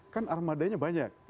kan armadanya banyak